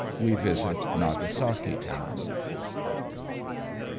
WE VISIT NAGASAKI TOWN.